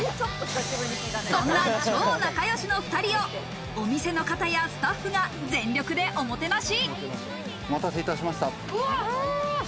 そんな超仲良しの２人をお店の方やスタッフが全力でおもてなし。